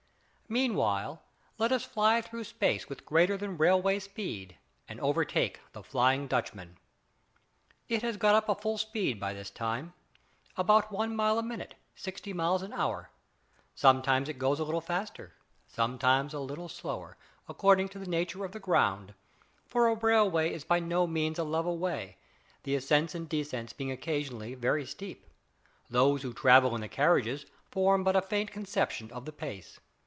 Meanwhile let us fly through space with greater than railway speed and overtake the "Flying Dutchman." It has got up full speed by this time. About one mile a minute sixty miles an hour! Sometimes it goes a little faster, sometimes a little slower, according to the nature of the ground; for a railway is by no means a level way, the ascents and descents being occasionally very steep. Those who travel in the carriages form but a faint conception of the pace.